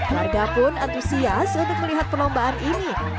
warga pun antusias untuk melihat perlombaan ini